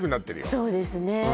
そうですね